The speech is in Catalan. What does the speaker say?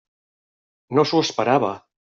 No s'ho esperava.